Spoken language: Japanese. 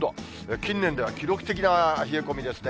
近年では記録的な冷え込みですね。